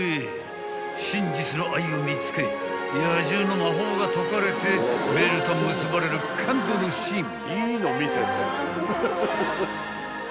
［真実の愛を見つけ野獣の魔法が解かれてベルと結ばれる感動のシーン］